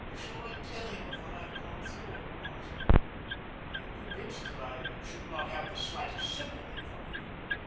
Shall I tell him of what I have gone through or not? I am convinced that I should not have the slightest sympathy from him.